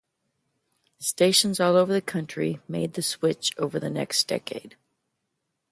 Stations all over the country made the switch over the next decade.